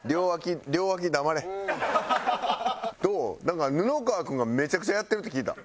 なんか布川君がめちゃくちゃやってるって聞いた。